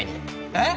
えっ！？